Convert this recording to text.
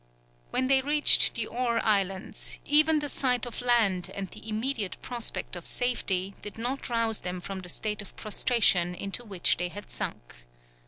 When they reached the Aur Islands, even the sight of land and the immediate prospect of safety did not rouse them from the state of prostration into which they had sunk.